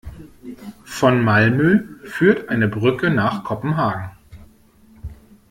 Von Malmö führt eine Brücke nach Kopenhagen.